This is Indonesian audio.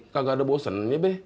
kagak ada bosennya be